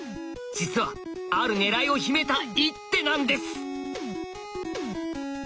実はある狙いを秘めた一手なんです。